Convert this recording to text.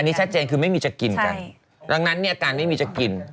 อันนี้ชัดเจนคือไม่มีจะกินกันดังนั้นเนี่ยการไม่มีจะกิน